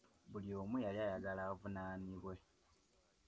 Buli omu yali ayagala avunaanibwe.